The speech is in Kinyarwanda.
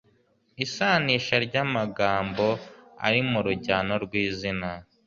isanisha ry'amagambo ari mu rujyano rw'izina